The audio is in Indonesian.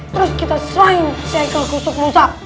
terus kita serahin si haikal kusuk musa